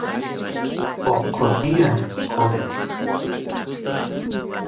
poqo tiyan qomer